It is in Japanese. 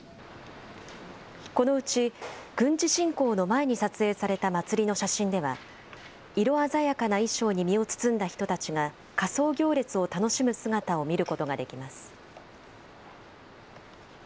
このうち軍事侵攻の前に撮影された祭りの写真では色鮮やかな衣装に身を包んだ人たちが仮装行列を楽しむ姿を見ることができます。